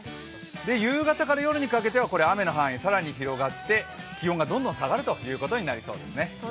夕方から夜にかけては雨の範囲、更に広がって気温がどんどん下がるということになりそうですね。